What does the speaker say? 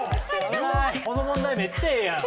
この問題めっちゃええやん。